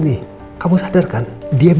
dan menangkap anda